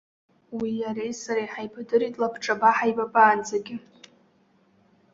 Уи иареи сареи ҳаибадырит лабҿаба ҳаибабаанӡагьы.